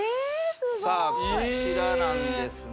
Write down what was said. すごいさあこちらなんですね